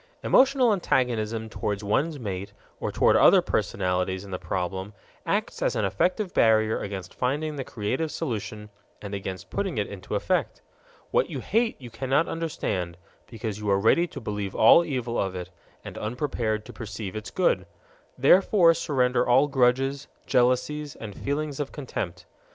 _ Emotional antagonism toward one's mate, or toward other personalities in the problem, acts as an effective barrier against finding the creative solution and against putting it into effect. What you hate you cannot understand, because you are ready to believe all evil of it, and unprepared to perceive its good. Therefore surrender all grudges, jealousies, and feelings of contempt.